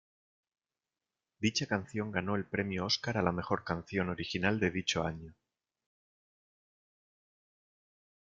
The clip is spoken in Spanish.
Dicha canción ganó el premio Óscar a la mejor canción original de dicho año.